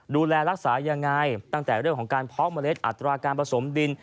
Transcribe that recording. ดูแลรักษายังไงตั้งแต่เรื่องของการเพาะเมล็ดอัตราการผสมดิน